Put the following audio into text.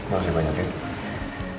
makasih banyak din